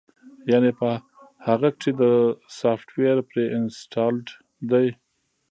يعنې پۀ هغۀ کښې دا سافټوېر پري انسټالډ دے